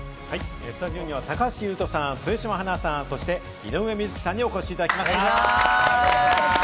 スタジオには高橋優斗さん、豊嶋花さん、井上瑞稀さんにお越しいただきました。